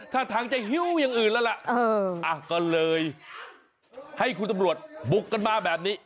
ถ้าทางจะหิ้วอย่างอื่นแล้วล่ะก็เลยให้คุณตำรวจบุกกันมาแบบนี้